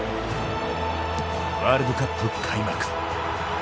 ワールドカップ開幕。